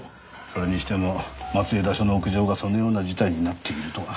それにしても松枝署の屋上がそのような事態になっているとは。